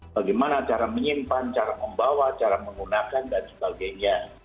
bagaimana cara menyimpan cara membawa cara menggunakan dan sebagainya